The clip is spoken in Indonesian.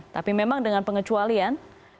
tapi memang dengan pengecualian